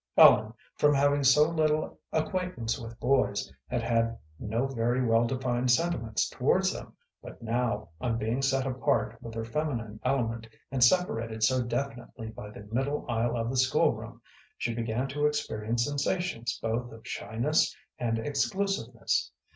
Ellen, from having so little acquaintance with boys, had had no very well defined sentiments towards them, but now, on being set apart with her feminine element, and separated so definitely by the middle aisle of the school room, she began to experience sensations both of shyness and exclusiveness.